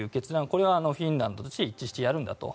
これはフィンランドとして一致してやるんだと。